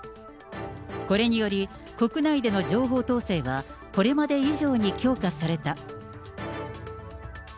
これにより、国内での情報統制は、これまで以上に強化された。